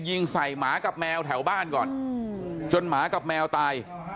ยิงใส่หมากับแมวแถวบ้านก่อนจนหมากับแมวตาย